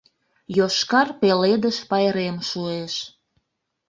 ЙОШКАР ПЕЛЕДЫШ ПАЙРЕМ ШУЭШ